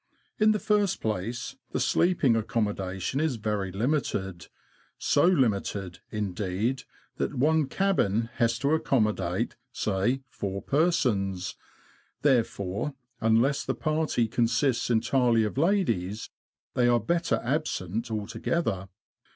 In the first place, the sleeping accommodation is very limited — so limited, indeed, that one cabin has to accommodate, say, four persons ; therefore, unless the party consists entirely of ladies, they are better absent altogether.